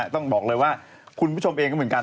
ต้องบอกเลยว่าคุณผู้ชมเองก็เหมือนกัน